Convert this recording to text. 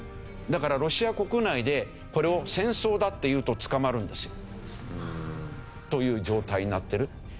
だからロシア国内でこれを戦争だって言うと捕まるんですよ。という状態になってる。